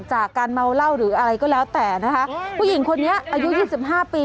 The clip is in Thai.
จากการเมาเหล้าหรืออะไรก็แล้วแต่นะคะผู้หญิงคนนี้อายุยี่สิบห้าปี